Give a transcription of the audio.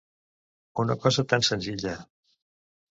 Una cosa tan senzilla!